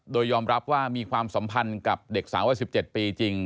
โดยยอมรับว่ามีความสัมพันธ์กับเด็กสาววัย๑๗ปีจริง